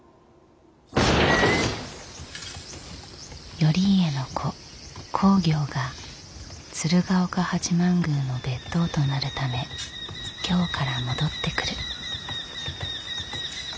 頼家の子公暁が鶴岡八幡宮の別当となるため京から戻ってくる。